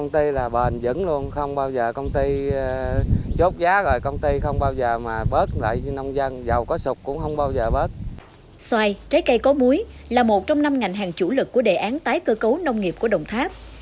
xoài trái cây có múi là một trong năm ngành hàng chủ lực của đề án tái cơ cấu nông nghiệp của đồng tháp